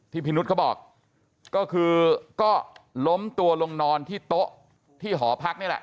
พี่นุษย์เขาบอกก็คือก็ล้มตัวลงนอนที่โต๊ะที่หอพักนี่แหละ